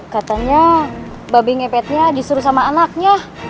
katanya babi ngepetnya disuruh sama anaknya